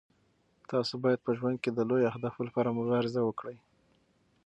تاسو باید په ژوند کې د لویو اهدافو لپاره مبارزه وکړئ.